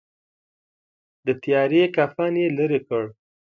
د تیارې کفن یې لیري کړ.